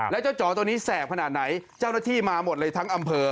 แล้วเจ้าจ๋อตัวนี้แสบขนาดไหนเจ้าหน้าที่มาหมดเลยทั้งอำเภอ